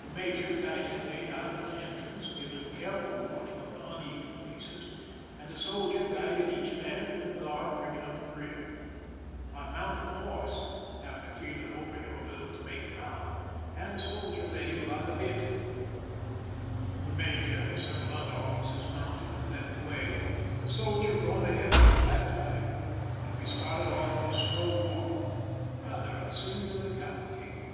The major guided me out of the entrance, giving careful warning of the uneven places, and a soldier guided each man, with a guard bringing up the rear. I mounted the horse, after feeling over him a little to make him out, and a soldier led him by the bit. The major and several other officers mounted and led the way, a soldier going ahead with a white flag, and we started off at a slow walk, rather a singular cavalcade.